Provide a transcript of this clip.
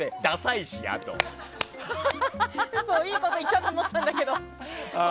いいこと言ったと思ったんだけど。